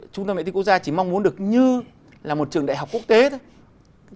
chúng ta mẹ tinh quốc gia chỉ mong muốn được như là một trường đại học quốc tế thôi